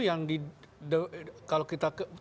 yang di kalau kita